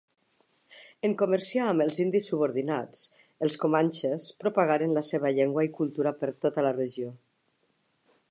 En comerciar amb els indis subordinats, els comanxes propagaren la seva llengua i cultura per tota la regió.